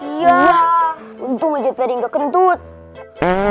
iya kamu ini tuh aku aku belum males